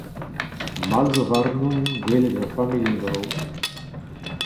Mall zo warnon gwelet ma familh en-dro.